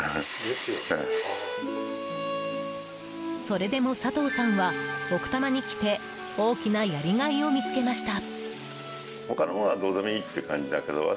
それでも佐藤さんは奥多摩に来て大きなやりがいを見つけました。